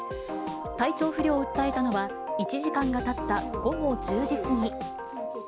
体調不良を訴えたのは、１時間がたった午後１０時過ぎ。